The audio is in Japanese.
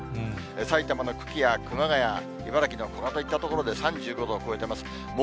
埼玉の久喜や熊谷、茨城の古河といった所で３５度を超えてます。